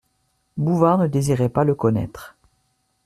Bouvard ne désirait pas le connaître.